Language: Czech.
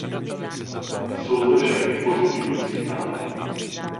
Jsou zde však i pozitivní signály.